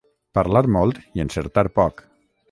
Parlar molt i encertar poc.